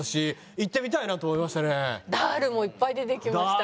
ダールもいっぱい出てきましたね。